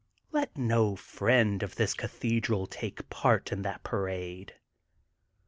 Let no friend of this Cathedral take part in that parade.